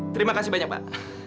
terima kasih banyak pak